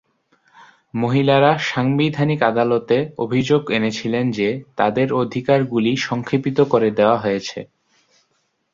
মহিলারা সাংবিধানিক আদালতে অভিযোগ এনেছিলেন যে তাদের অধিকার গুলি সংক্ষেপিত করে দেওয়া হয়েছে।